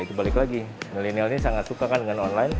itu balik lagi milenial ini sangat suka kan dengan online